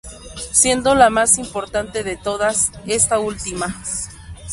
Siendo la más importante de todas, esta última.